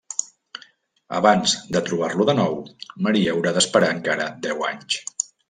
Abans de trobar-lo de nou, Maria haurà d'esperar encara deu anys.